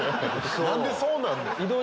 何でそうなんねん。